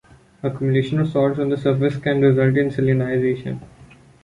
Accumulation of salts on the surface can result in salinization.